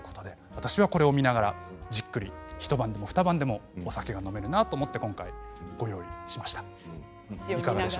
私はこれを見ながらじっくり一晩でも二晩でもお酒が飲めるなと思って今回、ご用意しました。